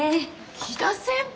木田先輩！